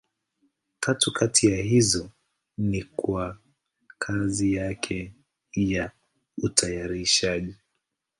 Tatu kati ya hizo ni kwa kazi yake ya utayarishaji.